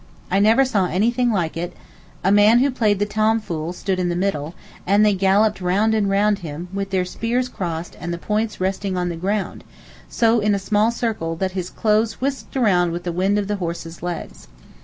I never saw anything like it—a man who played the tom fool stood in the middle, and they galloped round and round him, with their spears crossed and the points resting on the ground, in so small a circle that his clothes whisked round with the wind of the horses' legs.